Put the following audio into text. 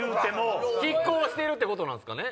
拮抗してるってことなんすかね。